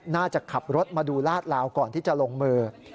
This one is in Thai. น่าจะขับรถมาดูลาดลาวก่อนที่จะลงมือ